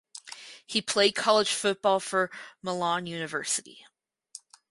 He played college football for Malone University.